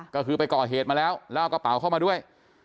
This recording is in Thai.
ก็คือไปก่อเหตุมาแล้วแล้วเอากระเป๋าเข้ามาด้วย